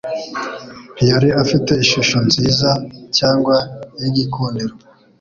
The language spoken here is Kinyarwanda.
Ntiyari afite ishusho nziza cyangwa y'igikundiro,